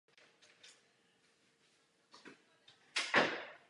Sestává pouze z jednoho neuronu.